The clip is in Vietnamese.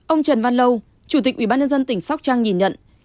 ông trần văn lâu chủ tịch ubnd tỉnh sóc trăng nhìn nhận